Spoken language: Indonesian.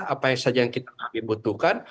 apa yang saja yang kita butuhkan